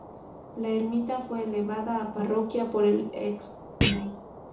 La ermita fue elevada a parroquia por el Excmo.